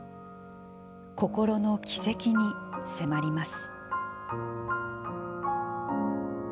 心の軌跡に迫ります。